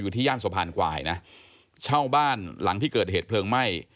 ที่ย่านสะพานควายนะเช่าบ้านหลังที่เกิดเหตุเพลิงไหม้